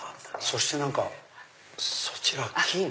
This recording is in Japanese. そしてそちらは金？